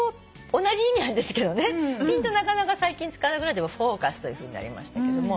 なかなか最近使わなくなって「フォーカス」というふうになりましたけども。